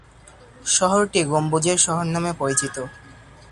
শহরটি গম্বুজের শহর নামে পরিচিত।